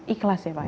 ikhlas ya pak